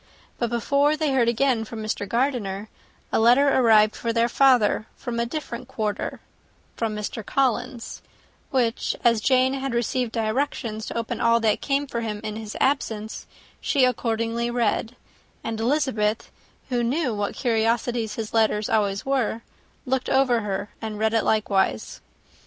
But before they heard again from Mr. Gardiner, a letter arrived for their father, from a different quarter, from Mr. Collins; which, as Jane had received directions to open all that came for him in his absence, she accordingly read; and Elizabeth, who knew what curiosities his letters always were, looked over her, and read it likewise.